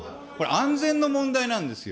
安全の問題なんですよ。